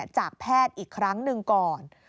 จากแพทย์อีกครั้งหนึ่งก่อน